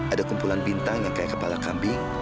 ada kumpulan bintang yang kayak kepala kambing